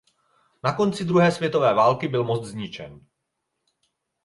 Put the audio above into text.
Na konci druhé světové války byl most zničen.